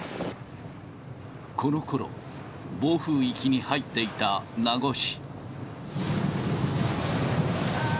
このころ、暴風域に入っていた名護市。